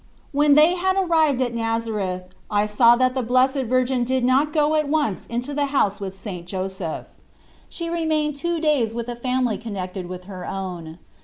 When they had arrived at Nazareth I saw that the Blessed Virgin did not go at once into the house with St. Joseph. She remained two days with a family connected with her own.